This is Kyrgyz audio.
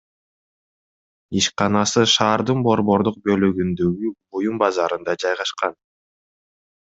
Ишканасы шаардын борбордук бөлүгүндөгү буюм базарында жайгашкан.